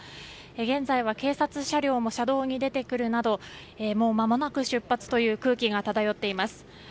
現在は警察車両も車道に出てくるなどもうまもなく出発という空気がただよっています。